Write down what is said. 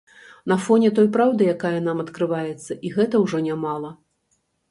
На фоне той праўды, якая нам адкрываецца, і гэта ўжо нямала.